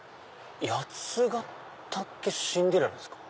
八ヶ岳シンデレラですか。